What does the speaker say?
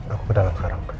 aku ke dalam sekarang